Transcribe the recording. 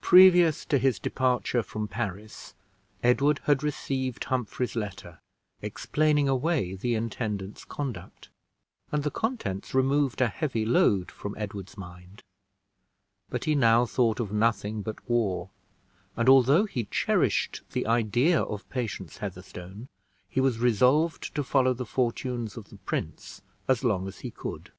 Previous to his departure from Paris, Edward had received Humphrey's letter, explaining away the intendant's conduct; and the contents removed a heavy load from Edward's mind; but he now thought of nothing but war, and although he cherished the idea of Patience Heatherstone, he was resolved to follow the fortunes of the prince as long as he could.